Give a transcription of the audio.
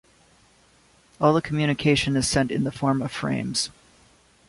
All the communication is sent in the form of frames.